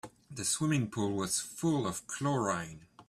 The swimming pool was full of chlorine.